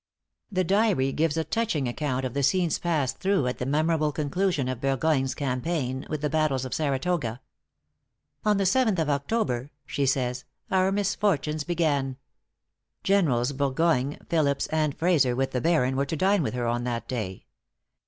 The Diary gives a touching account of the scenes passed through at the memorable conclusion of Bur goyne's campaign, with the battles of Saratoga. "On the seventh of October," she says, "our misfortunes began." Generals Burgoyne, Phillips, and Frazer, with the Baron, were to dine with her on that day.